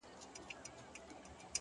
• او د لیکلو لپاره څه نه لري ,